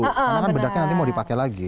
karena kan bedaknya nanti mau dipakai lagi